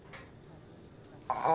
ああ。